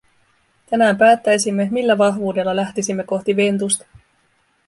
Tänään päättäisimme, millä vahvuudella lähtisimme kohti Ventusta.